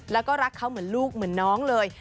แล้วก็รักเขาเหมือนลูกเหมือนน้องเลย